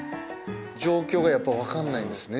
状況がやっぱ分かんないんですね